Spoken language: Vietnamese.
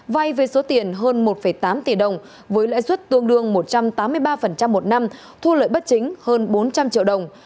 vay với số tiền hơn một tám tỷ đồng với lãi suất tương đương một trăm tám mươi ba một năm thu lợi bất chính hơn bốn trăm linh triệu đồng